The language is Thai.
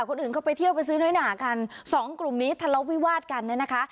คนอื่นเข้าไปเที่ยวไปซื้อน้อยหนากันสองกลุ่มนี้ทะเลาะวิวาดกันเนี่ยนะคะ